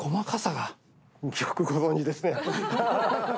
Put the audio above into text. よくご存じですね。